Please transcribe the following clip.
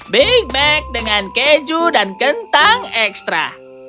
big mag dengan keju dan kentang ekstra